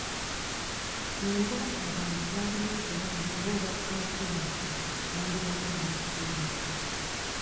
Singa abantu baalina obulamu ng'obwa katuuni bandibadde beesimye.